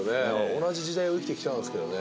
同じ時代を生きてきたんですけどね。